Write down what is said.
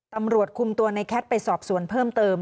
ตำรวจคุมตัวในแคทไปสอบสวนเพิ่มเติม